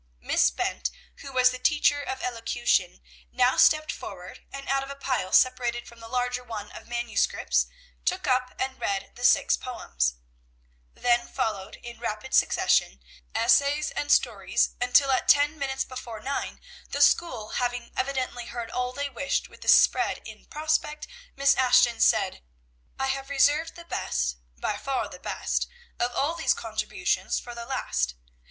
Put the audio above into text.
Miss Bent, who was the teacher of elocution, now stepped forward, and out of a pile separated from the larger one of manuscripts took up and read the six poems; then followed, in rapid succession, essays and stories, until at ten minutes before nine, the school having evidently heard all they wished with the spread in prospect, Miss Ashton said, "I have reserved the best by far the best of all these contributions for the last.